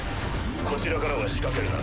こちらからは仕掛けるな。